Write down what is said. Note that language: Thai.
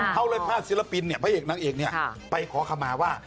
เพราะฉะนั้นภาษาศิลปินพระเอกนางเอกไปขอคำมาว่า